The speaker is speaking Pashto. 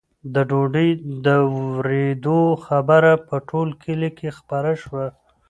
د ډوډۍ د ورېدو خبره په ټول کلي کې خپره شوه.